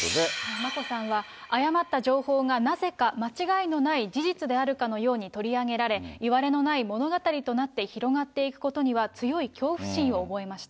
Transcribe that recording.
眞子さんは、誤った情報がなぜか間違いのない事実であるかのように取り上げられ、いわれのない物語となって、広がっていくことには強い恐怖心を覚えました。